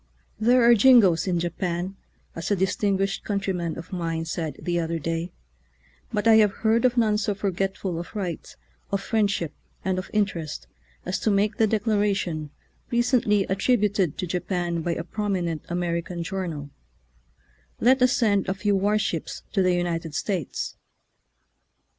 There are jingoes in Japan, as a distinguished countryman of mine said the other day, but I have heard of none so forgetful of right, of friendship, and of interest as to make the declaration, re cently attributed to Japan by a prominent American journal, "let us send a few war ships to the United States."